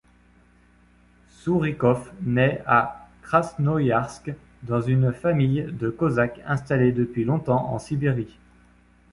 Sourikov nait à Krasnoïarsk, dans une famille de Cosaques installée depuis longtemps en Sibérie.